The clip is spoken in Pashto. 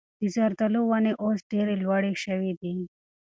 د زردالو ونې اوس ډېرې لوړې شوي دي.